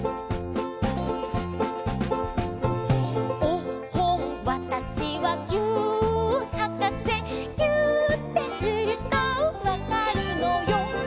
「おっほんわたしはぎゅーっはかせ」「ぎゅーってするとわかるのよ」